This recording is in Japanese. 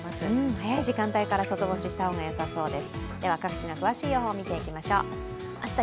早い時間帯から外干しした方がよさそうです。